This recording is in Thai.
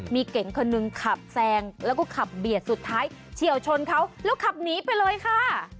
มีเก่งคนหนึ่งขับแซงแล้วก็ขับเบียดสุดท้ายเฉียวชนเขาแล้วขับหนีไปเลยค่ะ